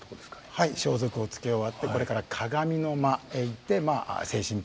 はい装束を着け終わってこれから鏡の間へ行って精神統一して。